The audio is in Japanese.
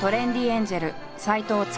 エンジェル斎藤司。